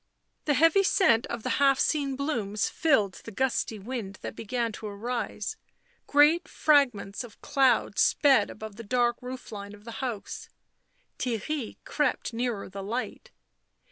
The heavy scent of the half seen blooms filled the gusty wind that began to arise; great fragments of cloud sped above the dark roof line of the house ; Theirry crept nearer the light.